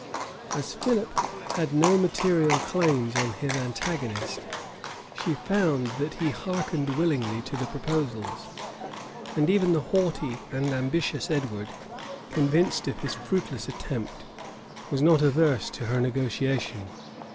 As Philip had no material claims on his antagonist, she found that he hearkened willingly to the proposals; and even the haughty and ambitious Edward, convinced of his fruitless attempt, was not averse to her negotiation.